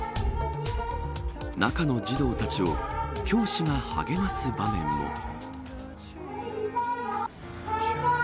中の児童たちを教師が励ます場面も。